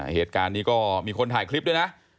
เหตุการณ์นี้ก็มีคนถ่ายคลิปด้วยนะ